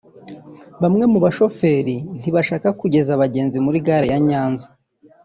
Bamwe mu bashoferi ntibashaka kugeza abagenzi muri gare ya Nyanza